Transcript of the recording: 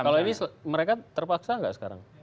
kalau ini mereka terpaksa nggak sekarang